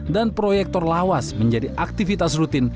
dan proyektor lawas menjadi aktivitas rutin